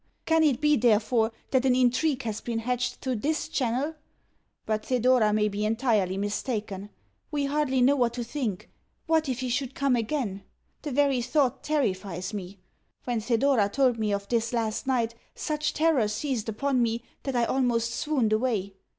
Can it be, therefore, that an intrigue has been hatched through THIS channel? But Thedora may be entirely mistaken. We hardly know what to think. What if he should come again? The very thought terrifies me. When Thedora told me of this last night such terror seized upon me that I almost swooned away.